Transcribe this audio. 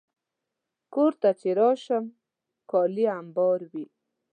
کور ته چې راشم، کالي امبار وي.